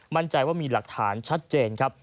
มั่นใจว่ามีหลักฐานชัดเจนครับ